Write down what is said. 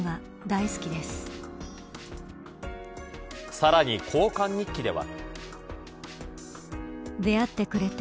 さらに交換日記では。